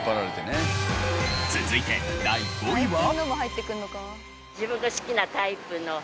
続いて第５位は。